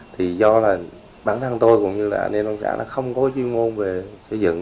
thì do là bản thân tôi cũng như là nên bản thân xã không có chuyên môn về xây dựng